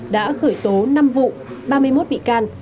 đã khởi tố năm vụ ba mươi một bị can